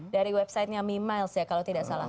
dari website nya memiles ya kalau tidak salah